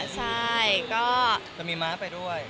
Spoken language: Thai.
ใช่ก็จะมีม้าไปด้วย